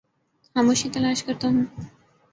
خاموشی تلاش کرتا ہوں